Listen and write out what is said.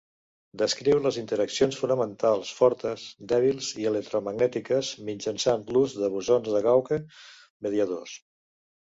Descriu les interaccions fonamentals fortes, dèbils i electromagnètiques mitjançant l'ús de bosons de gauge mediadors.